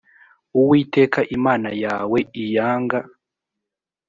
uwiteka imana yawe iyanga